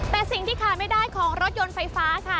แต่สิ่งที่ขาดไม่ได้ของรถยนต์ไฟฟ้าค่ะ